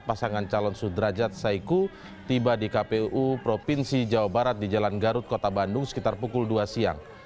pasangan calon sudrajat saiku tiba di kpu provinsi jawa barat di jalan garut kota bandung sekitar pukul dua siang